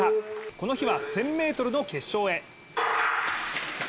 この日は１０００ｍの決勝へ。